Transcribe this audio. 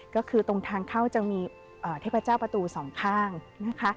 ก็คือตรงทางเข้าจะมีเทพเจ้าประตูสองข้างนะคะ